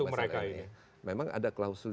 masyarakat ini memang ada klausul